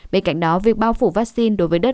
bên cạnh đó việc bao phủ vaccine đối với đất